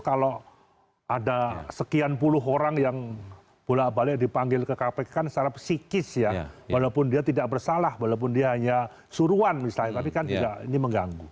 kalau ada sekian puluh orang yang bolak balik dipanggil ke kpk kan secara psikis ya walaupun dia tidak bersalah walaupun dia hanya suruhan misalnya tapi kan juga ini mengganggu